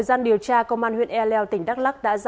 xin chào quý vị và các bạn